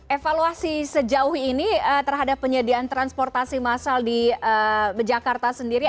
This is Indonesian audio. evaluasi sejauh ini terhadap penyediaan transportasi massal di jakarta sendiri